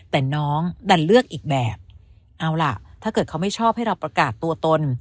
แต่น้องดันเลือกอีกแบบเอาล่ะถ้าเกิดเขาไม่ชอบให้เราประกาศตัวตน